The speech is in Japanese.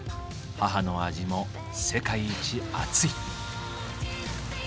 母の味も世界一あつい。